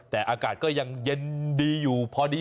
แต่อากาศก็ยังเย็นดีอยู่พอดี